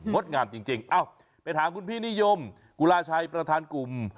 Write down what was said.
ดงามจริงเอ้าไปถามคุณพี่นิยมกุลาชัยประธานกลุ่ม